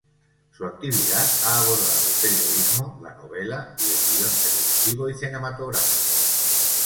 Su actividad ha abordado el periodismo, la novela y el guion televisivo y cinematográfico.